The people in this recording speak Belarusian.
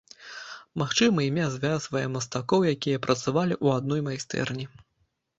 Магчыма, імя звязвае мастакоў, якія працавалі ў адной майстэрні.